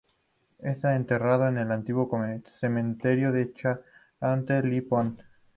Está enterrado en el antiguo cementerio de Charenton-le-Pont.